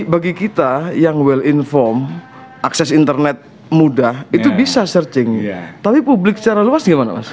bagi kita yang well informed akses internet mudah itu bisa searching tapi publik secara luas gimana mas